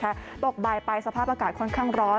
ตกบ่ายไปสภาพอากาศค่อนข้างร้อน